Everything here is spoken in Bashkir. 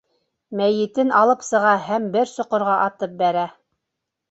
Мәйетен алып сыға һәм бер соҡорға атып бәрә.